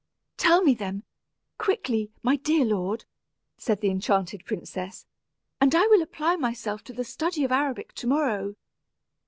"Tell me them, quickly, my dear lord," said the enchanted princess, "and I will apply myself to the study of Arabic to morrow.